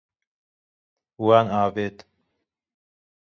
Wan avêt.